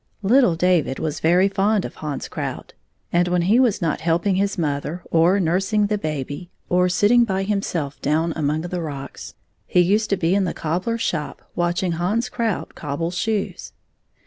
Little David was very fond of Hans Krout, and when he was not helping his mother, or nursing the baby, or sitting by himself down among the rocks, he used to be in the cobbler's shop watch ing Hans Krout cobble shoes.